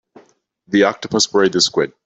The octopus worried the squid.